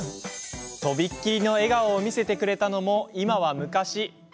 とびっきりの笑顔を見せてくれたのも、今は昔。